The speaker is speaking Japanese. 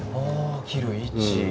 切る位置。